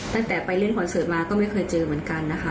ตั้งแต่ไปเล่นคอนเสิร์ตมาก็ไม่เคยเจอเหมือนกันนะคะ